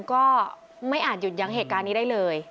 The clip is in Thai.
ก็ไม่อาจหยุดยั้งเหตุการณ์นี้ได้เลย